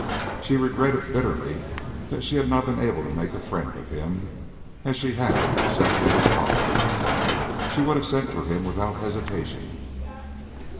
She regretted bitterly that she had not been able to make a friend of him, as she had of several of his colleagues. She would have sent for him without hesitation.